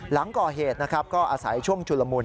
หลังก่อเหตุก็อาศัยช่วงจุลมูล